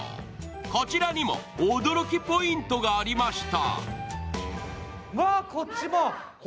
こちらにも驚きポイントがありました。